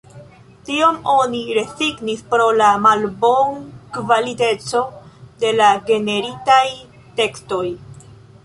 Tion oni rezignis pro la malbonkvaliteco de la generitaj tekstoj.